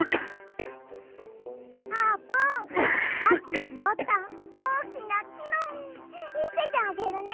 あーぷんさっきひろったおおきなきのみみせてあげるね！